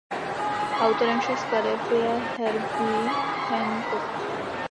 Autorem všech skladeb je Herbie Hancock.